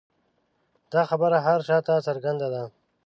دا خبره هر چا ته څرګنده ده.